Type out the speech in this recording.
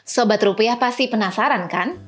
sobat rupiah pasti penasaran kan